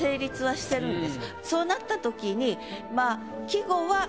そうなった時にまぁ。